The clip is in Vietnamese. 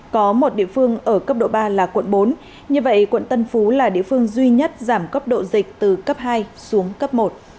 có một địa phương ở cấp độ ba là quận bốn như vậy quận tân phú là địa phương duy nhất giảm cấp độ dịch từ cấp hai xuống cấp một